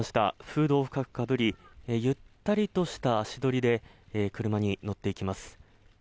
フードを深くかぶりゆったりとした足取りで車に乗っていきます。